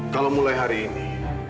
kalau mulai hari ini